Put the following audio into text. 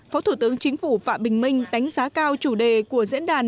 phó thủ tướng chính phủ phạm bình minh đánh giá cao chủ đề của diễn đàn